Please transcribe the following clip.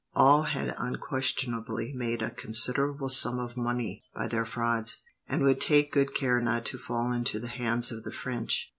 All had unquestionably made a considerable sum of money by their frauds, and would take good care not to fall into the hands of the French.